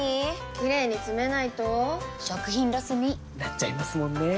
キレイにつめないと食品ロスに．．．なっちゃいますもんねー！